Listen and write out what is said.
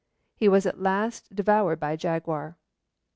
He was at last devoured by a jaguar.